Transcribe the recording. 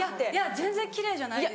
全然奇麗じゃないです。